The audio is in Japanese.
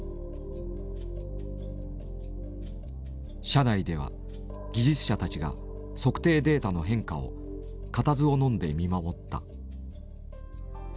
車内では技術者たちが測定データの変化を固唾を飲んで見守った。